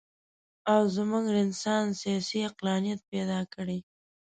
او زموږ رنسانس سیاسي عقلانیت پیدا کړي.